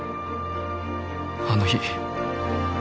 あの日